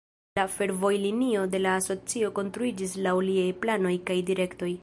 La fervojlinio de la asocio konstruiĝis laŭ liaj planoj kaj direktoj.